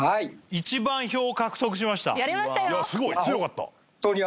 一番票を獲得しました。